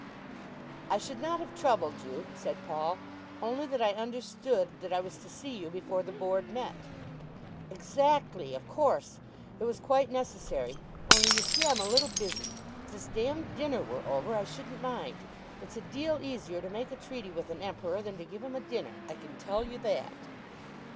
"I should not have troubled you," said Paul, "only that I understood that I was to see you before the Board met." "Exactly; of course. It was quite necessary, only you see I am a little busy. If this d d dinner were over I shouldn't mind. It's a deal easier to make a treaty with an Emperor, than to give him a dinner; I can tell you that.